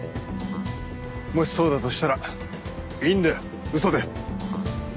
もしそうだとしたらいいんだよ嘘で。